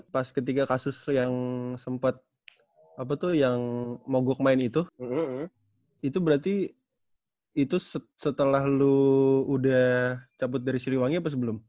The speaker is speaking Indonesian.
pas ketika kasus yang sempet mogok main itu itu berarti setelah lu udah cabut dari siliwangi apa sebelum